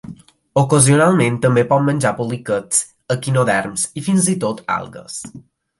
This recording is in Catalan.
Ocasionalment també pot menjar poliquets, equinoderms i, fins i tot, algues.